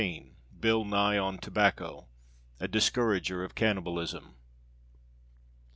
_ BILL NYE ON TOBACCO. A DISCOURAGER OF CANNIBALISM.